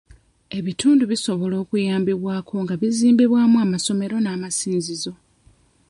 Ebitundu bisobola okuyambibwako nga bizimbibwamu amasomero n'amasinzizo.